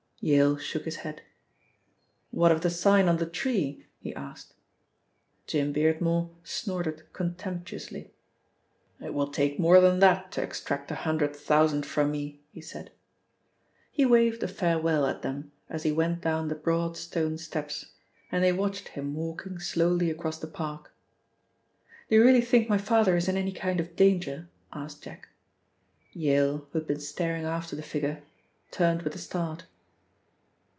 Yale shook his head. "What of the sign on the tree?" he asked. Jim Beardmore snorted contemptuously. "It will take more than that to extract a hundred thousand from me," he said. He waved a farewell at them as he went down the broad stone steps, and they watched him walking slowly across the park. "Do you really think my father is in any kind of danger?" asked Jack. Yale, who had been staring after the figure, turned with a start.